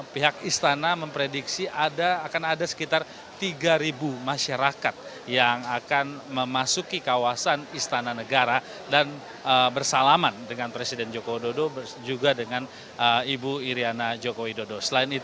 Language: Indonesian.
pihak istana memprediksi akan ada sekitar tiga masyarakat yang akan memasuki kawasan istana negara dan bersalaman dengan presiden joko widodo juga dengan ibu iryana joko widodo